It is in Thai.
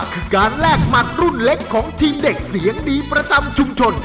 คือการแลกหมัดรุ่นเล็กของทีมเด็กเสียงดีประจำชุมชน